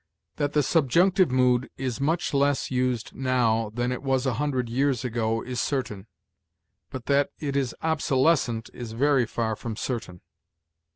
That the subjunctive mood is much less used now than it was a hundred years ago is certain, but that it is obsolescent is very far from certain.